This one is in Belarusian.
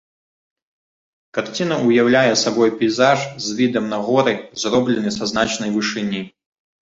Карціна ўяўляе сабой пейзаж з відам на горы, зроблены са значнай вышыні.